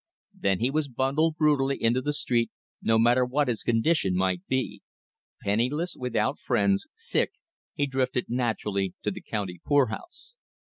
Then he was bundled brutally into the street, no matter what his condition might be. Penniless, without friends, sick, he drifted naturally to the county poorhouse.